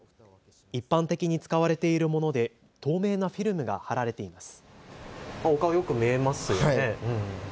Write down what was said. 一般的に使われているもので透明なフィルムがはられています。